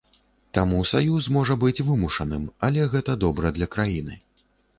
Таму саюз можа быць вымушаным, але гэта добра для краіны.